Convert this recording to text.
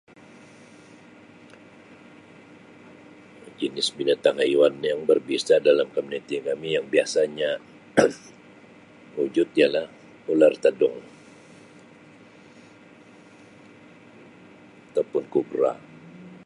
Jenis binatang haiwan yang berbisa dalam komuniti kami yang biasanya wujud ialah ular Tedung ataupun kubra.